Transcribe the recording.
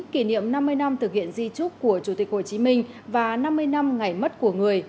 kỷ niệm năm mươi năm thực hiện di trúc của chủ tịch hồ chí minh và năm mươi năm ngày mất của người